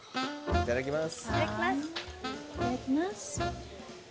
いただきます。